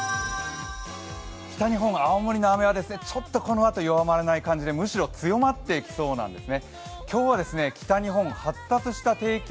北日本、青森の雨は、ちょっとこのあと弱らない感じでむしろ強まってきそうなんです。